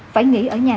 phải nghỉ ở nhà